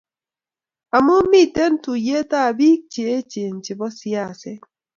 amu miten tuiyetab biik cheechen chebo siaset